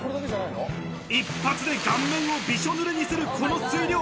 一発で顔面をびしょ濡れにするこの水量。